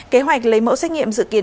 kế hoạch lấy mẫu xét nghiệm dự kiến